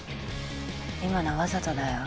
今のわざとだよ。